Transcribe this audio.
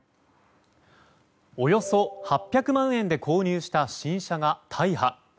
およそ８００万円で購入した新車が大破。